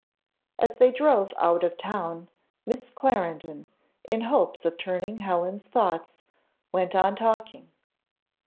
As they drove out of town, Miss Clarendon, in hopes of turning Helen's thoughts, went on talking.